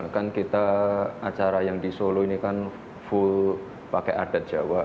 kan kita acara yang di solo ini kan full pakai adat jawa